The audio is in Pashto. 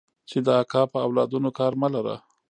چې د اکا په اولادونو کار مه لره.